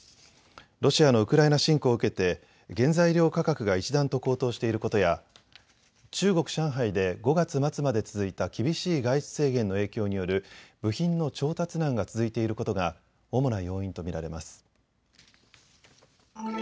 ロシアのウクライナ侵攻を受けて原材料価格が一段と高騰していることや中国・上海で５月末まで続いた厳しい外出制限の影響による部品の調達難が続いていることが主な要因と見られます。